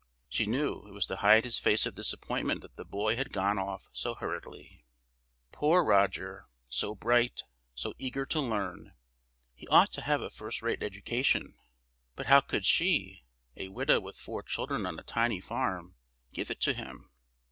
She knew it was to hide his face of disappointment that the boy had gone off so hurriedly. Poor Roger! so bright, so eager to learn, he ought to have a first rate education! But how could she, a widow with four children on a tiny farm, give it to him?